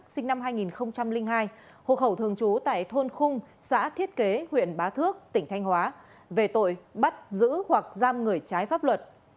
sinh năm hai nghìn hai hồ khẩu thường trú tại thôn khung xã thiết kế huyện bá thước tỉnh thanh hóa về tội bắt giữ hoặc giam người trái pháp luật